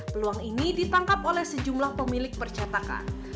peluang ini ditangkap oleh sejumlah pemilik percatakan